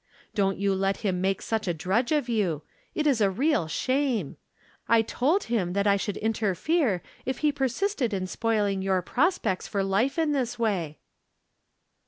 Don't "you let him make such a drudge of you. It is a real shame ! I told him that I should interfere if he persisted in spoiling your prospects for life in this way."